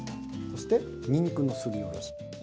そして、にんにくのすりおろし。